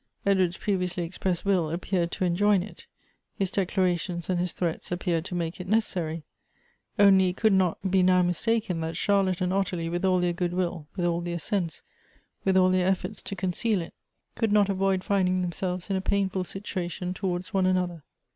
Edward's previously expressed will appeared to enjoin it, — his declarations and his threats appeared to make it neces sary ; only it could not be now mistaken that Charlotte and Ottilie, with all their good will, with all their sense, with .all their efforts to conceal it, could not avoid finding themselves in a painful situation towards one another.